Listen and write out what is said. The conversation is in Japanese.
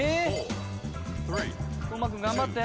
當間君頑張って。